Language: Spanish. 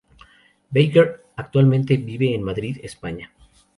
Baker actualmente vive en Madrid, España.